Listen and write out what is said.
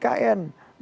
bagaimana dengan ikm